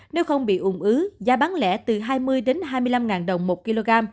nếu không bị ủng ứ giá bán lẻ từ hai mươi hai mươi năm đồng một kg